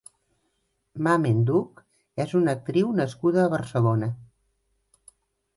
Mamen Duch és una actriu nascuda a Barcelona.